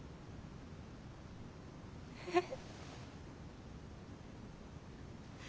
えっ。